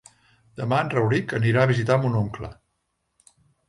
Demà en Rauric anirà a visitar mon oncle.